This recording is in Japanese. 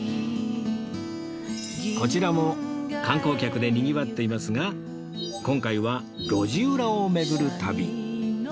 こちらも観光客でにぎわっていますが今回は路地裏を巡る旅